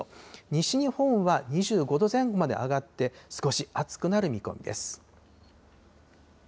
西日本は２５度前後まで上がって、少し暑くなる見込みです。